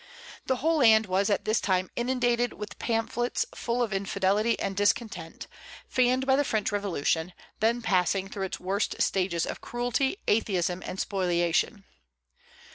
The whole land was at this time inundated with pamphlets full of infidelity and discontent, fanned by the French Revolution, then passing through its worst stages of cruelty, atheism, and spoliation.